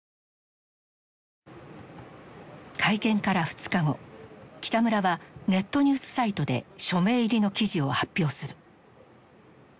会見から２日後北村はネットニュースサイトで署名入りの記事を発表する。